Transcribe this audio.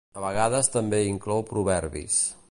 A vegades també hi inclou proverbis.